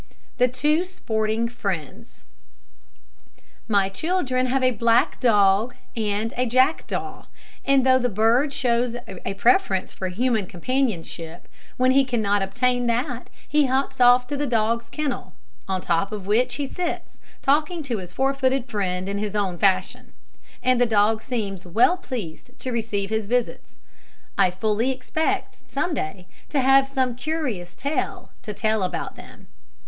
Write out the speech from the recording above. THE TWO SPORTING FRIENDS. My children have a black dog and a jackdaw; and though the bird shows a preference for human companionship, when he cannot obtain that he hops off to the dog's kennel, on the top of which he sits, talking to his four footed friend in his own fashion; and the dog seems well pleased to receive his visits. I fully expect, some day, to have some curious tale to tell about them.